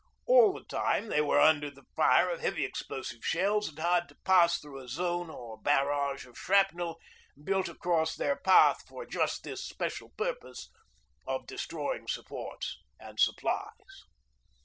All the time they were under the fire of high explosive shells and had to pass through a zone or 'barrage' of shrapnel built across their path for just this special purpose of destroying supports and supplies.